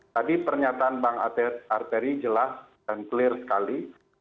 tadi pernyataan bang arteri jelas dan clear sekali